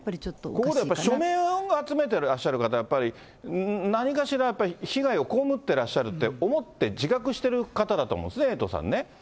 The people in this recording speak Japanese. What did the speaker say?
ここで署名を集めてらっしゃる方、やっぱり何かしら、やっぱり被害を被ってらっしゃるって思って、自覚してる方だと思うんですね、エイトさんね。